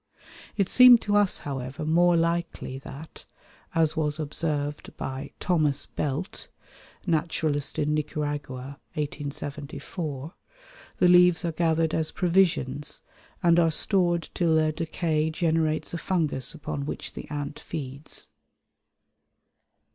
It seemed to us, however, more likely that, as was observed by Thomas Belt (Naturalist in Nicaragua: 1874), the leaves are gathered as provisions and are stored till their decay generates a fungus upon which the ant feeds.